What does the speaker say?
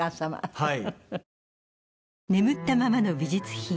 はい。